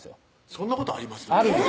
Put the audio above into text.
そんなことあります？